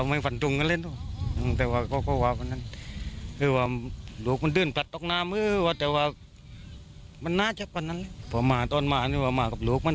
ไม่น่าจะพันนั้นเพราะตอนมานี่มันมากับลูกมัน